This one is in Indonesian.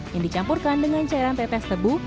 yang dicampurkan dengan cairan pepes tebu